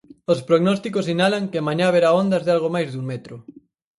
Os prognósticos sinalan que mañá haberá ondas de algo máis dun metro.